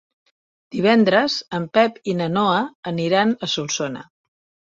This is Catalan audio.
Divendres en Pep i na Noa aniran a Solsona.